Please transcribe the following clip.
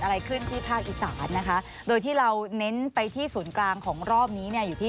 อะไรขึ้นที่ภาคอีสานนะคะโดยที่เราเน้นไปที่ศูนย์กลางของรอบนี้เนี่ยอยู่ที่